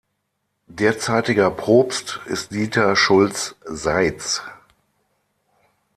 Derzeitiger Propst ist Dieter Schultz-Seitz.